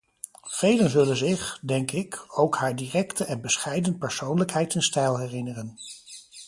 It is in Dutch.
Velen zullen zich, denk ik, ook haar directe en bescheiden persoonlijkheid en stijl herinneren.